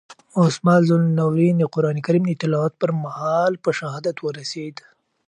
عثمان ذوالنورین د قرآن کریم د تلاوت پر مهال په شهادت ورسېد.